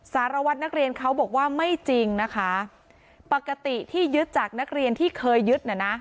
สารวัตรนักเรียนเขาบอกว่าไม่จริงนะคะปกติที่ยึดจากนักเรียนที่เคยยึดน่ะนะ